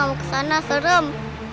kamu kesana serem